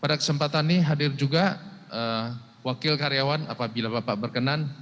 pada kesempatan ini hadir juga wakil karyawan apabila bapak berkenan